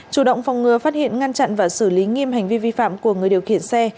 chủ động phòng ngừa phát hiện ngăn chặn và xử lý nghiêm hành vi vi phạm của người điều khiển xe